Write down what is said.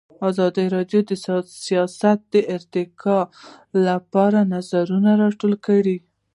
ازادي راډیو د سیاست د ارتقا لپاره نظرونه راټول کړي.